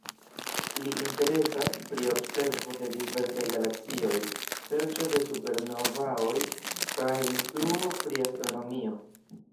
Li interesas pri observo de diversaj galaksioj, serĉo de supernovaoj kaj instruo pri astronomio.